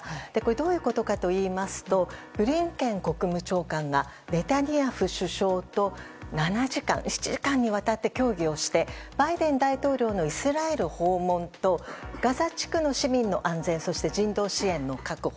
どういうことかといいますとブリンケン国務長官がネタニヤフ首相と７時間にわたって協議してバイデン大統領のイスラエル訪問とガザ地区の市民の安全と人道支援の確保。